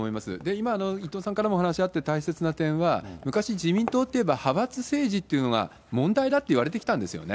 今、伊藤さんからもお話あって、大切な点は、昔、自民党っていえば、派閥政治っていうのが問題だと言われてきたんですよね。